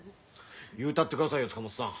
言うたってくださいよ塚本さん。